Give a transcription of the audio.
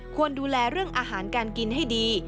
ควรดูแลเรื่องอาหารการกินให้ดี